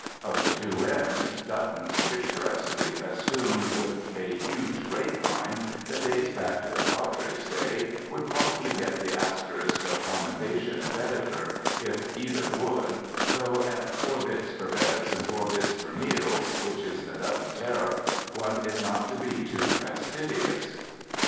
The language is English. Of the two inns, Button's picturesquely festooned with a huge grape vine that dates back to the Padres' day, would probably get the asterisk of commendation in Baedeker, if either would, though at "four bits for beds and four bits for meals," which is the Dutton tariff, one is not to be too fas tidious.